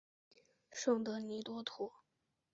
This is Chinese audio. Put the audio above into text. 圣德尼多图。